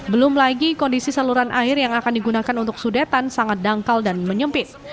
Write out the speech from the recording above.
belum lagi kondisi saluran air yang akan digunakan untuk sudetan sangat dangkal dan menyempit